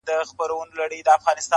لنډۍ په غزل کي، درېیمه برخه،